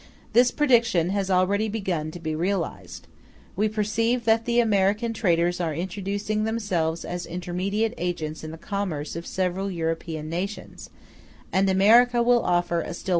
*k This prediction has already begun to be realized; we perceive that the American traders are introducing themselves as intermediate agents in the commerce of several European nations; *l and America will offer a still wider field to their enterprise.